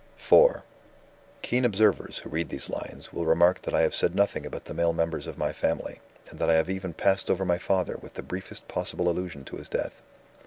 IV "Keen observers, who read these lines, will remark that I have said nothing about the male members of my family, and that I have even passed over my father with the briefest possible allusion to his death.